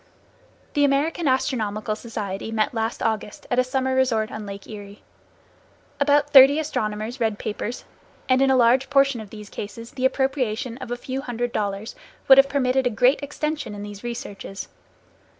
The American Astronomical Society met last August at a summer resort on Lake Erie. About thirty astronomers read papers, and in a large portion of the cases the appropriation of a few hundred dollars would have permitted a great extension in these researches.